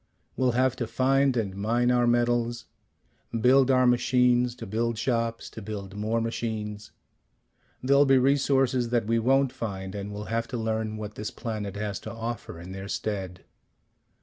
We'll have to find and mine our metals. Build our machines to build shops to build more machines. There'll be resources that we won't find, and we'll have to learn what this planet has to offer in their stead.